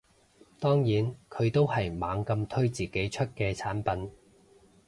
當然佢都係猛咁推自己出嘅產品